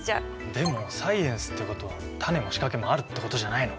でもサイエンスってことは種も仕掛けもあるってことじゃないの？